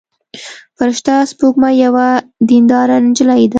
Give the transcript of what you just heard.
فرشته سپوږمۍ یوه دينداره نجلۍ ده.